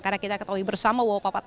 karena kita ketahui bersama wawapapun